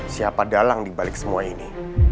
siapa dalang dibalik semua ini